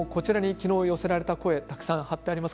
昨日、寄せられた声がたくさんあります。